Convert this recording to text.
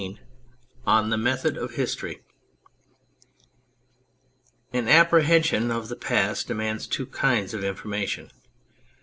119 ON THE METHOD OF HISTORY AN apprehension of the past demands two kinds of information.